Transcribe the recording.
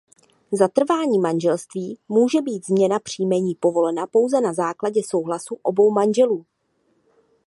Za trvání manželství může být změna příjmení povolena pouze na základě souhlasu obou manželů.